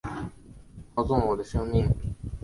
操纵了我的生命